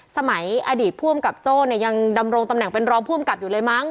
อดีตผู้อำกับโจ้เนี่ยยังดำรงตำแหน่งเป็นรองผู้อำกับอยู่เลยมั้ง